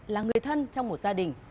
là người thân trong một gia đình